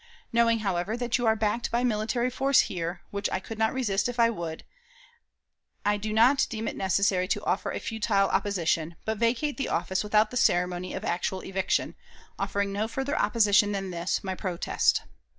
Knowing, however, that you are backed by military force here, which I could not resist if I would, I do not deem it necessary to offer a futile opposition, but vacate the office without the ceremony of actual eviction, offering no further opposition than this, my protest.